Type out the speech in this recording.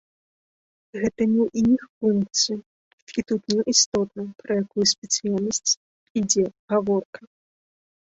Гэта не іх функцыя, і тут не істотна, пра якую спецыяльнасць ідзе гаворка.